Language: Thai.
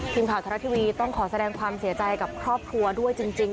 ทีมข่าวทาราทีวีต้องขอแสดงความเสียใจกับครอบครัวด้วยจริง